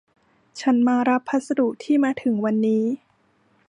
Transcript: ฉันมารับพัสดุที่มาถึงวันนี้